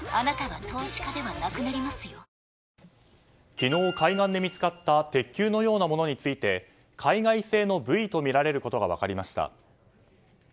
昨日海岸で見つかった鉄球のようなものについて海外製のブイとみられることが分かりました。